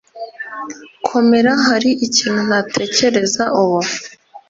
Komera hari ikintu ntatekereza ubu